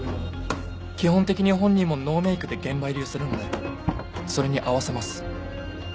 基本的に本人もノーメークで現場入りをするのでそれに合わせます。